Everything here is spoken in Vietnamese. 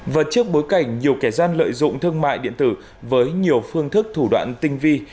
và trước bối cảnh nhiều kẻ gian lợi dụng thương mại điện tử với nhiều phương thức thủ đoạn tinh vi